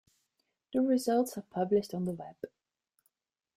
The results are published on the web.